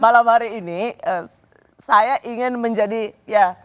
malam hari ini saya ingin menjadi ya